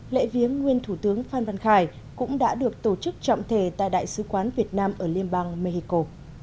lễ viếng nguyên thủ tướng phan văn khải cũng đã được tổ chức trọng thể tại đại sứ quán việt nam ở liên bang mexico